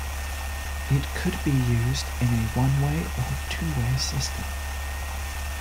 It could be used in a one-way or two-way system.